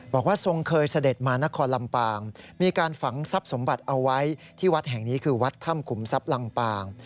บอกว่าทรงเคยเสด็จมานครลำปางมีการฝังทรัพย์สมบัติเอาไว้ที่วัดแห่งนี้คือวัดถ้ำขุมทรัพย์ลำปาง